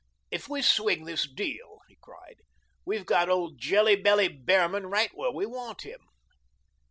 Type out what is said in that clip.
"If we swing this deal," he cried, "we've got old jelly belly Behrman right where we want him."